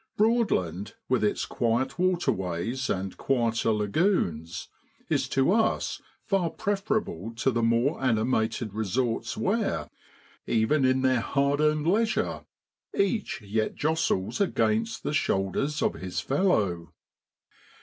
Broadland, with its quiet waterways and quieter lagoons, is to us far preferable to the more animated resorts where, even in their hard earned leisure, each yet jostles against the shoulders of his fellow.